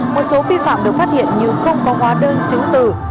một số phi phạm được phát hiện như không có hóa đơn chứng tử